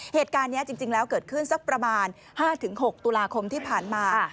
เหตุการณ์นี้จริงแล้วเกิดขึ้นสักประมาณ๕๖ตุลาคมที่ผ่านมา